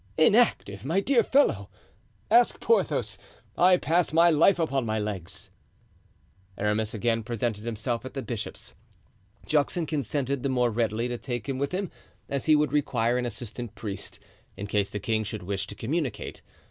"Inactive, my dear fellow! Ask Porthos. I pass my life upon my legs." Aramis again presented himself at the bishop's. Juxon consented the more readily to take him with him, as he would require an assistant priest in case the king should wish to communicate.